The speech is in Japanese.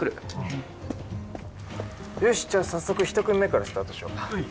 よしじゃあ早速ひと組目からスタートしようか。